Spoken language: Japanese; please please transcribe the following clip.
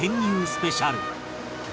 スペシャル